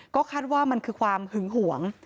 ก็คาดว่ามันคือความหึงหวง